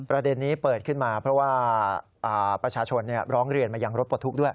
ประเด็นนี้เปิดขึ้นมาเพราะว่าประชาชนร้องเรียนมายังรถปลดทุกข์ด้วย